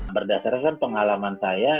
berdasarkan pengalaman saya